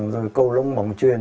rồi cầu lỗng bóng truyền